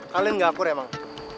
kalian gak akur emang